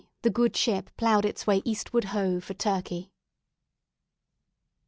the good ship ploughed its way eastward ho! for Turkey.